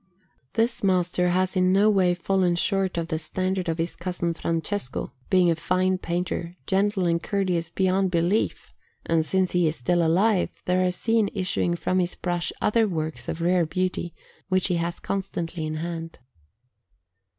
This master has in no way fallen short of the standard of his cousin Francesco, being a fine painter, gentle and courteous beyond belief; and since he is still alive, there are seen issuing from his brush other works of rare beauty, which he has constantly in hand.